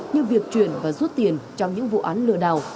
như việc chuyển và rút tiền trong những vụ án lừa đảo